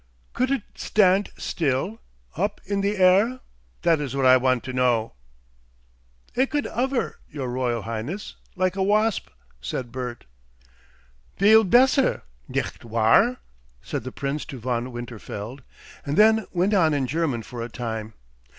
"Couldt it standt still? Op in the air? That is what I want to know." "It could 'ovver, your Royal Highness, like a wasp," said Bert. "Viel besser, nicht wahr?" said the Prince to Von Winterfeld, and then went on in German for a time.